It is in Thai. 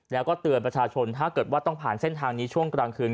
แล้วก็เตือนประชาชนถ้าเกิดว่าต้องผ่านเส้นทางนี้ช่วงกลางคืน